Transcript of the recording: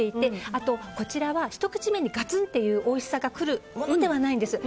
あと、こちらはひと口目にガツンというおいしさが来るものではないんです。